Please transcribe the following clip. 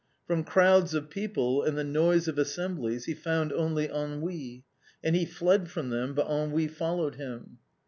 From crowds of people and the noise of assemblies he found only ennui, and he fled from them, but ennui followed him.